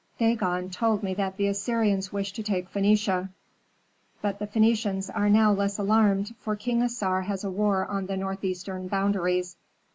"Dagon told me that the Assyrians wished to take Phœnicia. But the Phœnicians are now less alarmed, for King Assar has a war on the northeastern boundaries.